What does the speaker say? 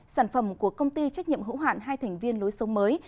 sản phẩm của công ty trách nhiệm hữu hạn hai thành viên lối sông mới